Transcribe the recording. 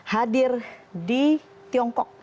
hadir di tiongkok